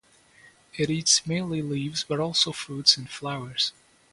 It eats mainly leaves, but also fruits and flowers.